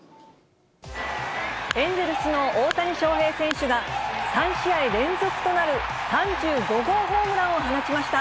エンゼルスの大谷翔平選手が、３試合連続となる３５号ホームランを放ちました。